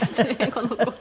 この子が。